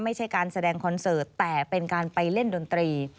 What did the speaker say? ไม่ใช่การแสดงคอนเสิร์ตแต่เป็นการไปเล่นดนตรี